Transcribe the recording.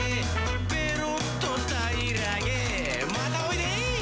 「ペロっとたいらげまたおいで」